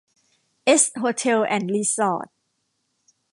เอส โฮเทล แอนด์ รีสอร์ท